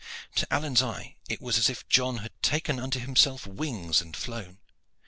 To Alleyne's eye, it was as if John had taken unto himself wings and flown.